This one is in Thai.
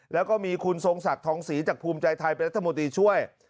แล้วก็มีคุณทรงศักดิ์ทองศรีจากภูมิใจไทยเป็นรัฐมนตรีช่วย